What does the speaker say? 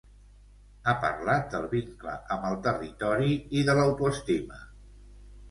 Ha parlat del vincle amb el territori i de l’autoestima.